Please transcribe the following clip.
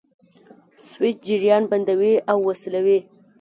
سویچ جریان بندوي او وصلوي.